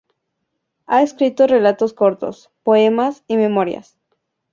Ha escrito relatos cortos, poemas y memorias.